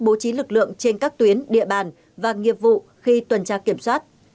bố trí lực lượng trên các tuyến địa bàn và nghiệp vụ khi tuần tra kiểm soát